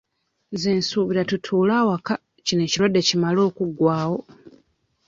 Nze nsuubira tutuule awaka ekirwadde kimale okuggwawo.